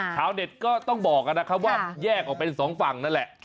ชาวเน็ตก็ต้องบอกกันนะครับว่าแยกออกเป็นสองฝั่งนั่นแหละ